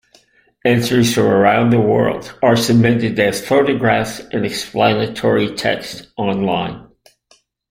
Entries from around the world are submitted as photographs and explanatory text online.